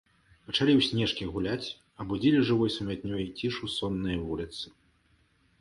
Пачалі ў снежкі гуляць, абудзілі жывой сумятнёй цішу соннае вуліцы.